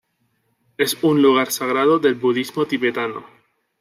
Es un lugar sagrado del budismo tibetano.